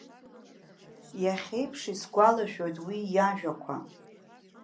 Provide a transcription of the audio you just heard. Иахьа еиԥш исгәалашәоит уи иажәақәа.